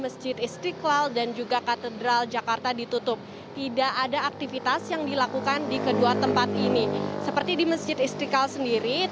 selamat malam aldi